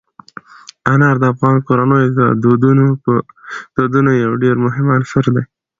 انار د افغان کورنیو د دودونو یو ډېر مهم عنصر دی.